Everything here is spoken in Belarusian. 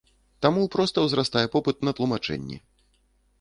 Таму проста ўзрастае попыт на тлумачэнні.